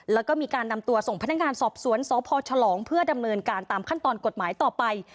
แล้วก็มีการนำตัวส่งพนักงานสอบสวนสพฉลองเพื่อดำเนินการตามขั้นตอนกฎหมายต่อไป